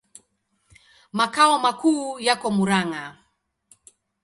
Makao makuu yako Murang'a.